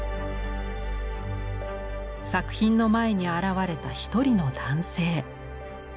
作品の前に現れた一人の男性。